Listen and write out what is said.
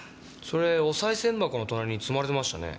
それお賽銭箱の隣に積まれてましたね。